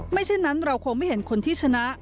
เช่นนั้นเราคงไม่เห็นคนที่ชนะ